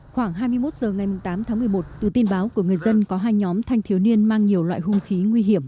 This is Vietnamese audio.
khoảng hai mươi một h ngày tám tháng một mươi một từ tin báo của người dân có hai nhóm thanh thiếu niên mang nhiều loại hung khí nguy hiểm